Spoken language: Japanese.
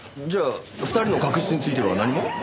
じゃあ２人の確執については何も？